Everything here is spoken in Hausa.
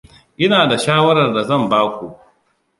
Ina da shawarar da zan ba ku.